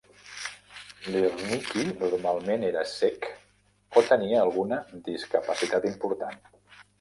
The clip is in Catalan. Lirnyky normalment era cec o tenia alguna discapacitat important.